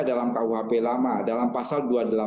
dalam kuhp lama dalam pasal dua ratus delapan puluh